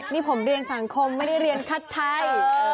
นี่ผมเรียนสังคมไม่ได้เรียนคัดไทย